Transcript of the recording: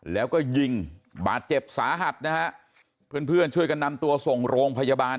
แล้วก็ยิงบาดเจ็บสาหัสนะฮะเพื่อนเพื่อนช่วยกันนำตัวส่งโรงพยาบาล